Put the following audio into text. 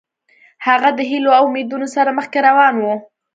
هغه د هیلو او امیدونو سره مخکې روان و.